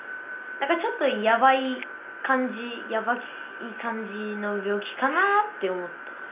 何かちょっとやばい感じやばい感じの病気かなって思った。